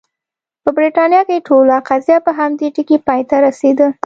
په برېټانیا کې ټوله قضیه په همدې ټکي پای ته رسېده.